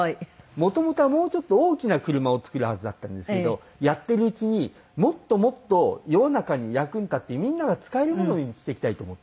もともとはもうちょっと大きな車を作るはずだったんですけどやってるうちにもっともっと世の中に役に立ってみんなが使えるものにしていきたいと思った。